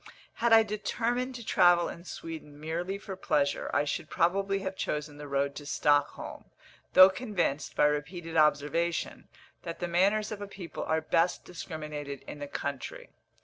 Had I determined to travel in Sweden merely for pleasure, I should probably have chosen the road to Stockholm, though convinced, by repeated observation, that the manners of a people are best discriminated in the country.